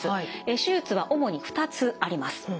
手術は主に２つあります。